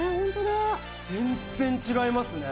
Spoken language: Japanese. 全然違いますね。